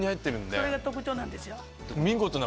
それが特徴なんですよ。